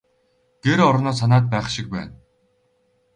Гэр орноо санаад байх шиг байна.